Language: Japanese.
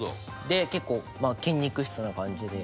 で結構筋肉質な感じで。